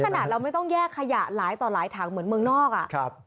ขนาดเราไม่ต้องแยกขยะหลายต่อหลายถังเหมือนเมืองนอกอ่ะครับ